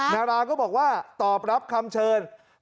นาราก็บอกว่าตอบรับคำเชิญ